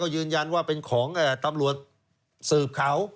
ยืนยันว่าเป็นของตำรวจสืบเขา